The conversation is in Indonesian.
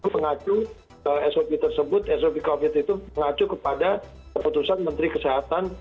mengacu sop tersebut sop covid itu mengacu kepada keputusan menteri kesehatan